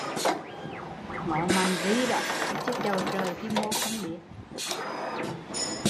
Ngó mạnh ri chứ “chầu trời” khi mô không biết